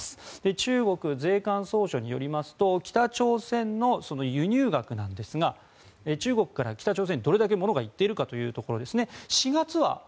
中国税関総署によりますと北朝鮮の輸入額ですが中国から北朝鮮にどれだけ、物がいっているかというところです。